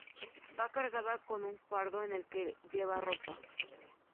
Va cargada con un fardo en el que lleva ropa.